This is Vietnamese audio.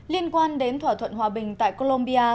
liên quan đến thỏa thuận hòa bình tại colombia